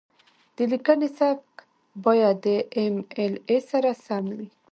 د لیکنې سبک باید د ایم ایل اې سره سم وي.